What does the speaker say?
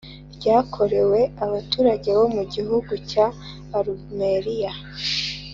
ryakorewe abaturage bo mu gihugu cya Arumeniya